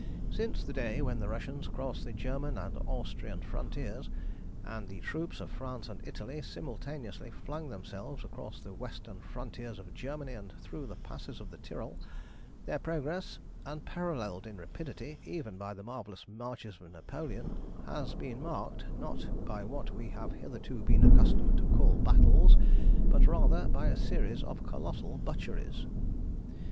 "Since the day when the Russians crossed the German and Austrian frontiers, and the troops of France and Italy simultaneously flung themselves across the western frontiers of Germany and through the passes of the Tyrol, their progress, unparalleled in rapidity even by the marvellous marches of Napoleon, has been marked, not by what we have hitherto been accustomed to call battles, but rather by a series of colossal butcheries.